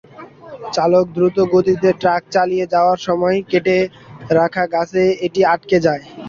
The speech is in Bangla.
চালক দ্রুতগতিতে ট্রাক চালিয়ে যাওয়ার সময় কেটে রাখা গাছে এটি আটকে যায়।